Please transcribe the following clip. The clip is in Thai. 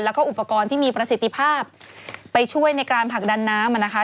แล้วก็อุปกรณ์ที่มีประสิทธิภาพไปช่วยในการผลักดันน้ำอ่ะนะคะ